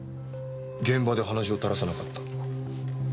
現場で鼻血を垂らさなかった。